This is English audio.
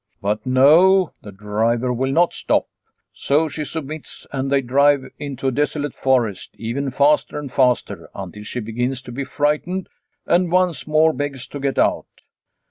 But no, the driver will not stop. So she submits and they drive into a desolate forest, ever faster and faster, until she begins to be frightened and once more begs to get out.